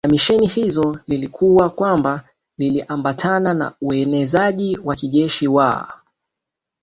la misheni hizo lilikuwa kwamba liliambatana na uenezaji wa kijeshi wa